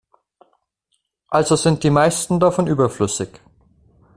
Also sind die meisten davon überflüssig.